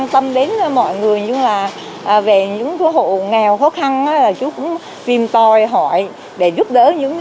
tâm đến với mọi người nhưng là về những khu hộ nghèo khó khăn là chú cũng tìm tòi hỏi để giúp đỡ những